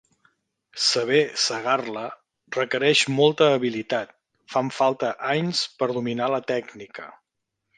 Saber segar-la requereix molta habilitat, fan falta anys per dominar la tècnica.